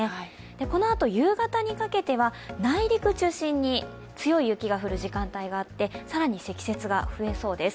このあと、夕方にかけては内陸中心に強い雪が降る時間帯があって、更に積雪が増えそうです。